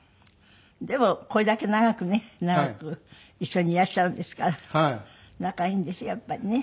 でもこれだけ長くね長く一緒にいらっしゃるんですから仲いいんでしょやっぱりね。